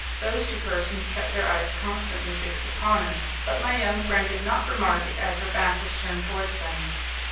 Those two persons kept their eyes constantly fixed upon us, but my young friend did not remark it as her back was turned towards them.